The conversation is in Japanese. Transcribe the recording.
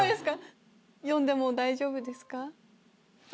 読んでも大丈夫ですか？